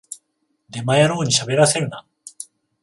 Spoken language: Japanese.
デマ野郎にしゃべらせるな